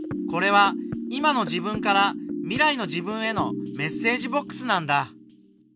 これは今の自分から未来の自分へのメッセージボックスなんだ。